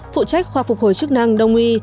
phụ trách khoa phục hồi chức năng đông uy